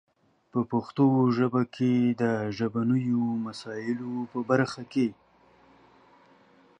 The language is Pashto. په پښتو ژبه کې د ژبنیو مسایلو په برخه کې